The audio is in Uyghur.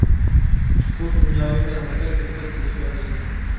پۇتبول، دۇنياۋى تەنھەرىكەت، دىققەت قىلىشقا ئەرزىيدۇ.